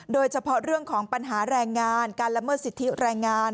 โดยเฉพาะเรื่องของปัญหาแรงงานการละเมิดสิทธิแรงงาน